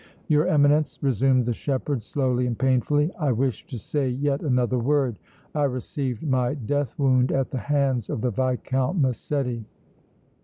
"Your Eminence," resumed the shepherd, slowly and painfully, "I wish to say yet another word. I received my death wound at the hands of the Viscount Massetti!"